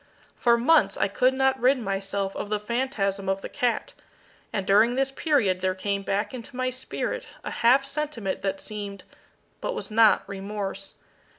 For months I could not rid myself of the phantasm of the cat, and during this period there came back into my spirit a half sentiment that seemed, but was not, remorse.